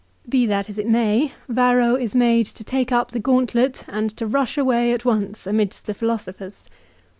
Be that as it may, Varro is made to take up the gauntlet and to rush away at once amidst the philosophers.